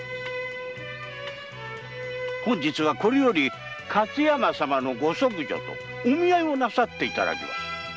本日はこれより勝山様のご息女とお見合いをしていただきます。